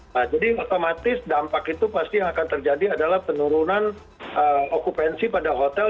nah jadi otomatis dampak itu pasti yang akan terjadi adalah penurunan okupansi pada hotel